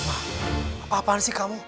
apaan sih kamu